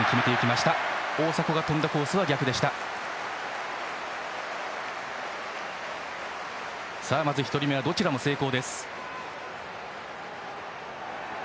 まず１人目はどちらも成功です。